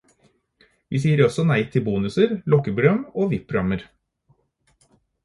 Vi sier også nei til bonuser, lokkeprogram og vip-programmer.